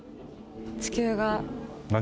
地球が。